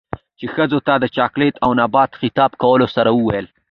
،چـې ښـځـو تـه د چـاکـليـت او نـبات خـطاب کـولـو سـره وويل.